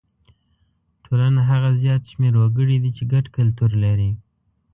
ټولنه هغه زیات شمېر وګړي دي چې ګډ کلتور لري.